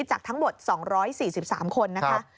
จากทั้งหมด๒๔๓คนนะคะ